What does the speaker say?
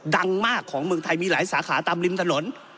ดังมากของเมืองไทยมีหลายสาขาตามริมถนน